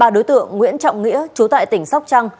ba đối tượng nguyễn trọng nghĩa chú tại tỉnh sóc trăng